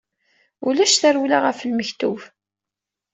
Ulac tarewla ɣef lmektub.